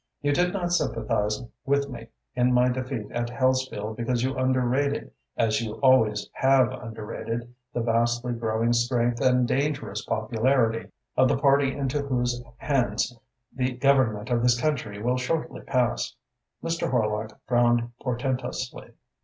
You did not sympathise with me in my defeat at Hellesfield because you underrated, as you always have underrated, the vastly growing strength and dangerous popularity of the party into whose hands the government of this country will shortly pass." Mr. Horlock frowned portentously.